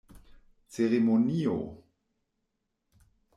Ceremonio!?